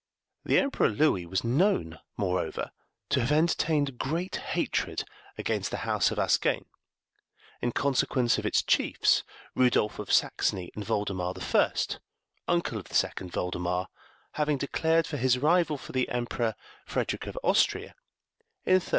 The Emperor Louis was known, moreover, to have entertained great hatred against the House of Ascagne, in consequence of its chiefs, Rudolph of Saxony and Voldemar the First, uncle of the second Voldemar, having declared for his rival for the empire, Frederick of Austria, in 1313.